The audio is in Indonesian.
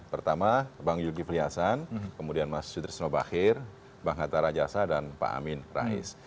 pertama bang yul givli hasan kemudian mas sudir snow bakhir bang hatta rajasa dan pak amin rais